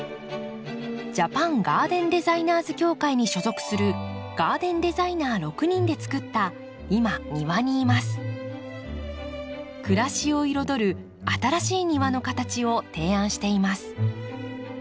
ジャパンガーデンデザイナーズ協会に所属するガーデンデザイナー６人でつくった暮らしを彩る新しい庭の形を提案しています。